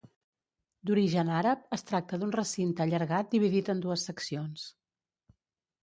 D'origen àrab, es tracta d'un recinte allargat dividit en dues seccions.